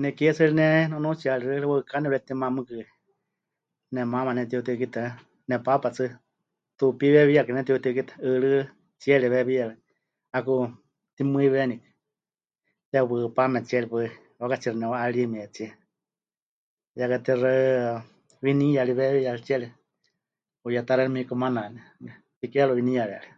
Ne kie tsɨrikɨ ne nunuutsiyari xɨari waɨká nepɨretima mɨɨkɨ nemaama mɨnetiuti'ɨ́kitɨa, nepaapa tsɨ tuupí weewíyakɨ pɨnetiuti'ɨ́kitɨa, 'ɨɨrɨ́ tsiere weewíyari, 'aku mɨtimɨiwenikɨ, tewɨpaame tsiere paɨ 'i waakátsiixi nemɨwa'arimietsie, ya katixaɨ winíyari weewíyari tsiere, huyetá xeeníu mikumanani, tsikeru winíyariyari.